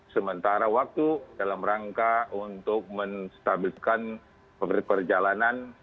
sementara waktu dalam rangka untuk menstabilkan perjalanan